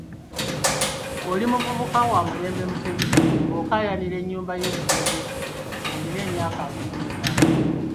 Oli muvubuka wa mulembe Mutebi ng'okaayanira nnyumba ey'ebisenge ebisatu ng'olina emyaka abiri mw'etaano.